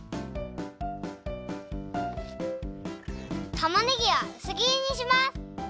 たまねぎはうすぎりにします。